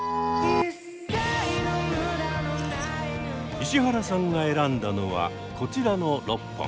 石原さんが選んだのはこちらの６本。